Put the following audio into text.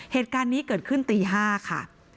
เหตุการณ์นี้เกิดขึ้นตี๕ค่ะ